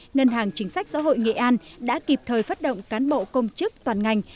ngân hàng chính sách xã hội nghệ an đã kịp thời phát động cán bộ công chức toàn ngành